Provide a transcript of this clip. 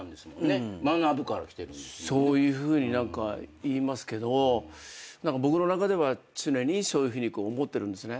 そういうふうに言いますけど僕の中では常にそういうふうに思ってるんですね。